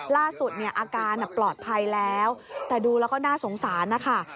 ล่าสุดเนี่ยอาการปลอดภัยแล้วแต่ดูแล้วก็น่าสงสารนะคะ